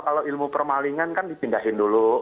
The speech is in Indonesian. kalau ilmu permalingan kan dipindahin dulu